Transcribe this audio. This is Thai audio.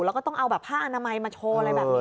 แล้วก็ต้องเอาแบบผ้าอนามัยมาโชว์อะไรแบบนี้